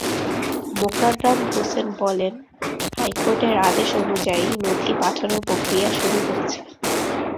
মোকাররম হোসেন বলেন, হাইকোর্টের আদেশ অনুযায়ী নথি পাঠানোর প্রক্রিয়া শুরু হয়েছে।